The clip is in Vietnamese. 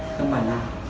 không bảo là